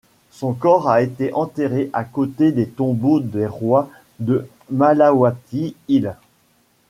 Son corps a été enterré à côté des tombeaux des rois de Malawati Hill.